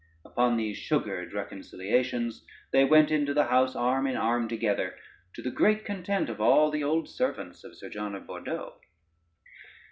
Upon these sugared reconciliations they went into the house arm in arm together, to the great content of all the old servants of Sir John of Bordeaux.